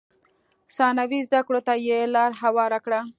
ثانوي زده کړو ته یې لار هواره کړه.